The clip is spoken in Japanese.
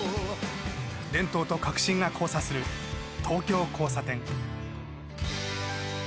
伝統と革新が交差する東京交差点。